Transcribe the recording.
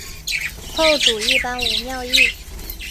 后主一般无庙谥。